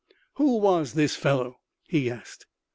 "Who was this fellow?" he asked.